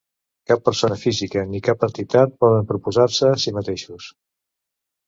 Cap persona física ni cap entitat poden proposar-se a si mateixes.